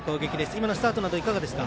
今のスタートなどいかがですか？